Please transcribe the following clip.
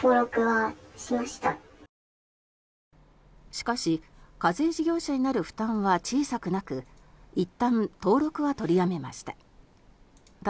しかし、課税事業者になる負担は小さくなくいったん登録は取りやめました。